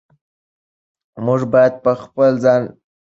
موږ باید په خپل ځان بسیا شو.